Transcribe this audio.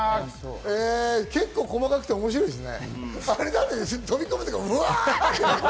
結構細かくて面白いですね。